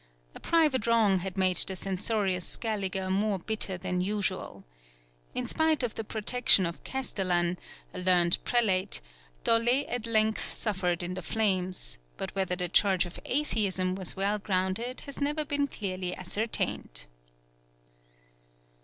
A private wrong had made the censorious Scaliger more bitter than usual. In spite of the protection of Castellan, a learned prelate, Dolet at length suffered in the flames, but whether the charge of Atheism was well grounded has never been clearly ascertained.